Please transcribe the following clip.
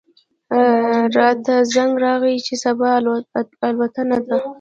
راته زنګ راغی چې صبا الوتنه ده.